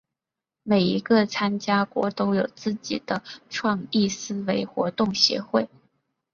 每一个参加国都有自己的创意思维活动协会。